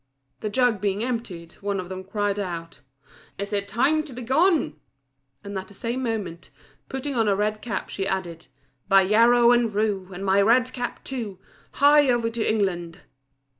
The jug being emptied, one of them cried out, "Is it time to be gone?" and at the same moment, putting on a red cap, she added "By yarrow and rue, And my red cap too, Hie over to England."